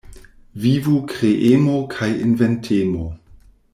Vivu kreemo kaj inventemo.